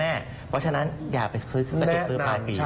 เพราะฉะนั้นอย่าไปซึ้งสจิตซื้อผ้านปี